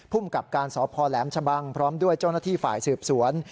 กับการสพแหลมชะบังพร้อมด้วยเจ้าหน้าที่ฝ่ายสืบสวน